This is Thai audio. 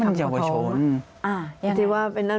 ก็คลิปออกมาแบบนี้เลยว่ามีอาวุธปืนแน่นอน